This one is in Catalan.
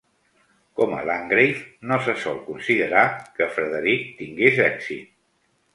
Com a Landgrave, no se sol considerar que Frederick tingués èxit.